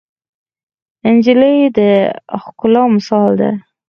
نجلۍ د ښکلا مثال ده.